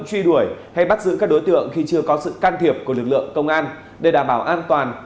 truy đuổi hay bắt giữ các đối tượng khi chưa có sự can thiệp của lực lượng công an để đảm bảo an toàn